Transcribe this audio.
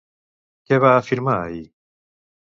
Què va afirmar ahir?